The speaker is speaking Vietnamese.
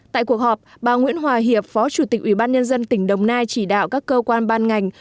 tại cuộc họp bà nguyễn hòa hiệp phó chủ tịch ubnd tỉnh đồng nai chỉ đạo các cơ quan ban ngành